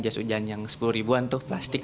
jas hujan yang sepuluh ribuan tuh plastik